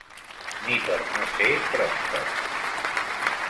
Ni per no ser pròspers.